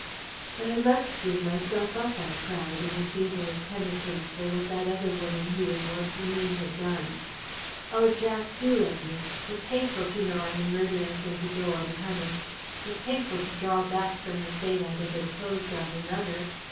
"But I must give myself up!" I cried, in a fever of penitence for what that other woman who once was ME had done. "Oh, Jack, do let me! It's hateful to know I'm a murderess and to go unpunished. It's hateful to draw back from the fate I'd have imposed on another.